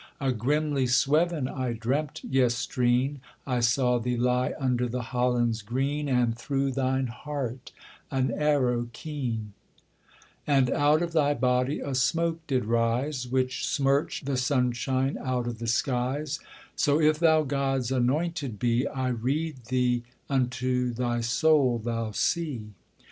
A grimly sweven I dreamt yestreen; I saw thee lie under the hollins green, And through thine heart an arrow keen; And out of thy body a smoke did rise, Which smirched the sunshine out of the skies: So if thou God's anointed be I rede thee unto thy soul thou see.